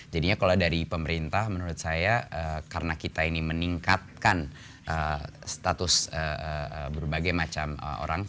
jadinya kalau dari pemerintah menurut saya karena kita ini meningkatkan status berbagai macam orang